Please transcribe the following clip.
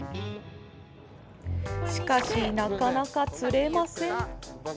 しかし、なかなか釣れません。